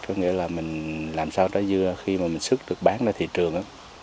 có nghĩa là mình làm sao trái dưa khi mà mình sức được bán ra thị trường